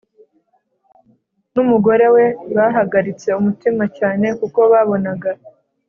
N umugore we bahagaritse umutima cyane kuko babonaga